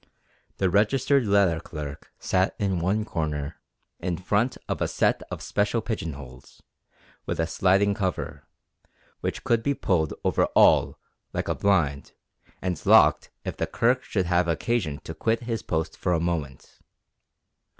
The registered letter clerk sat in one corner in front of a set of special pigeon holes, with a sliding cover, which could be pulled over all like a blind and locked if the clerk should have occasion to quit his post for a moment.